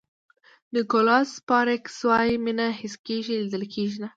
نیکولاس سپارکز وایي مینه حس کېږي لیدل کېږي نه.